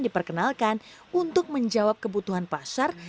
diperkenalkan untuk menjawab kebutuhan pasar